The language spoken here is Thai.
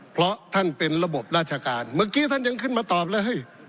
เพราะท่านเป็นระบบราชการเมื่อกี้ท่านยังขึ้นมาตอบเลย